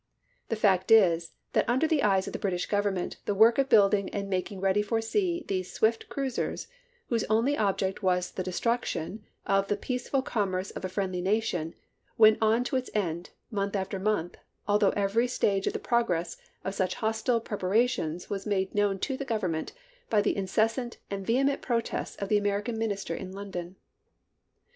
The fact is, that under the eyes of the British Government the work of building and making ready for sea these swift cruisers, whose only object was the destruction of the peace ful commerce of a friendly nation, went on to its end, month after month, although every stage of the progress of such hostile preparations was made known to the Government by the incessant and vehement protests of the American Minister in London.